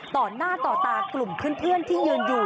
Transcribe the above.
ต่อหน้าต่อตากลุ่มเพื่อนที่ยืนอยู่